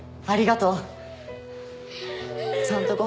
ありがとうね。